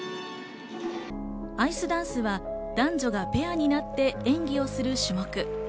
アイスダンスは男女がペアになって演技をする種目。